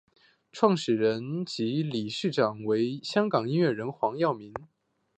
创办人及理事长为香港音乐人黄耀明。